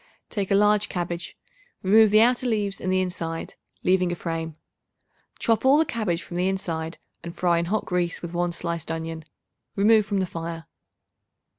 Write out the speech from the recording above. Take a large cabbage; remove the outer leaves and the inside, leaving a frame. Chop all the cabbage from the inside and fry in hot grease with 1 sliced onion. Remove from the fire.